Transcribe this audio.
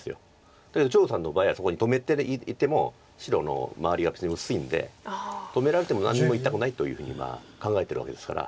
だけど張栩さんの場合はそこに止めていても白の周りが非常に薄いんで止められても何にも痛くないというふうに考えてるわけですから。